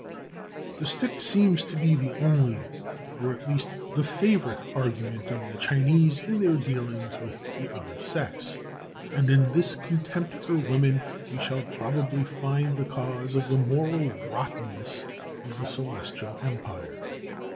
_" The stick seems to be the only, or at least the favourite, argument of the Chinese in their dealings with the other sex; and in this contempt for women we shall probably find the cause of the moral rottenness of the Celestial Empire.